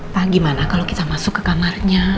pak gimana kalau kita masuk ke kamarnya